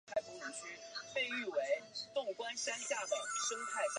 某些尿路可能有感染症状的病人可能要在检查前提供尿样。